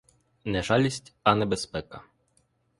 Не жалість, а небезпека.